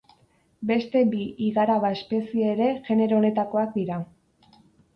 Beste bi igaraba espezie ere genero honetakoak dira.